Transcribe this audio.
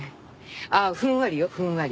ああふんわりよふんわり。